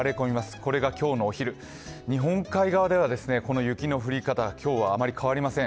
これが今日のお昼、日本海側ではこの雪の降り方、今日はあまり変わりません。